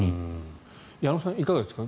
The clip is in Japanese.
矢野さん、いかがですか。